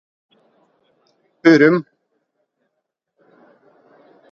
Hurum